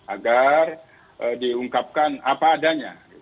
agar diungkapkan apa adanya